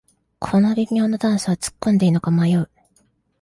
この微妙なダンスはつっこんでいいのか迷う